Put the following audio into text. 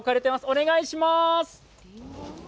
お願いします。